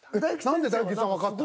何で大吉さんわかったの？